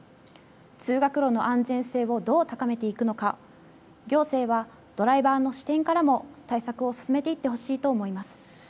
通学路の安全性をどう高めていくのか、行政はドライバーの視点からも対策を進めていってほしいと思います。